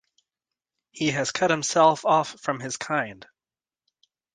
He has cut himself off from his kind.